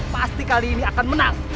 pasti kali ini akan menang